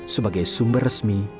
sebagai sumber resmi